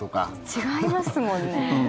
違いますもんね。